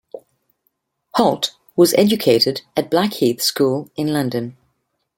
Holt was educated at Blackheath School in London.